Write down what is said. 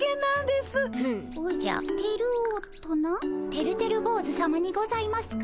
てるてる坊主さまにございますか？